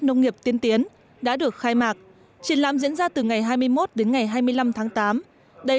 nông nghiệp tiên tiến đã được khai mạc triển lãm diễn ra từ ngày hai mươi một đến ngày hai mươi năm tháng tám đây